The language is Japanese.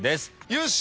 よし！